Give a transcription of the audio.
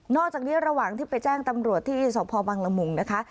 นอกจากนี้ระหว่างที่ไปแจ้งตำรวจที่สพปร๑๘๑บบังหลมคุณนะค่ะ